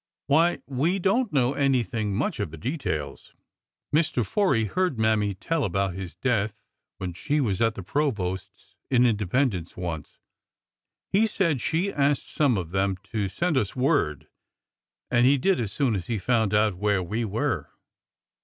'' Why, we don't know anything much of the details. Mr. Foree heard Mammy tell about his death when she was at the A DAY IN JUNE 397 provost's in Independence once. He said she asked some of them to send us word, and he did as soon as he found out where we were.